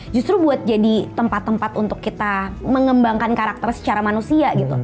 justru buat jadi tempat tempat untuk kita mengembangkan karakter secara manusia gitu